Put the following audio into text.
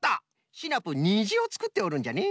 シナプーにじをつくっておるんじゃね。